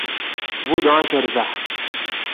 Buddeɣ-ak rrbeḥ!